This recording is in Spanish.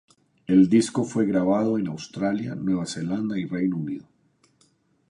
El disco fue grabado en Australia, Nueva Zelanda y Reino Unido.